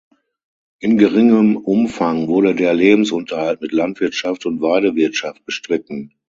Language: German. In geringem Umfang wurde der Lebensunterhalt mit Landwirtschaft und Weidewirtschaft bestritten.